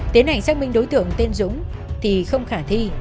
tiến hành xác minh đối tượng tên dũng thì không khả thi